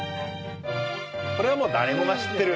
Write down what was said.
これはもう誰もが知ってる。